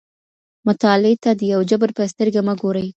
مطالعې ته د یو جبر په سترګه مه ګورئ.